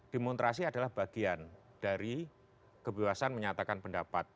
demonstrasi adalah bagian dari kebebasan menyatakan pendapat